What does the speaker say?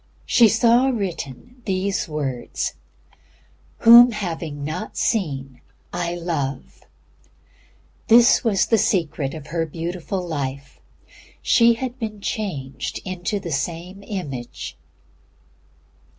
She saw written these words "Whom having not seen I love." That was the secret of her beautiful life. She had been changed into the Same Image.